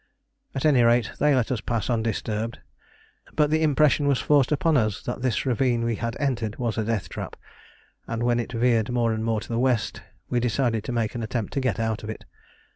At any rate, they let us pass undisturbed, but the impression was forced upon us that this ravine we had entered was a death trap, and when it veered more and more to the west we decided to make an attempt to get out of it.